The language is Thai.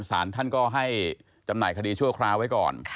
สารท่านก็ให้จำหน่ายคดีชั่วคราวไว้ก่อน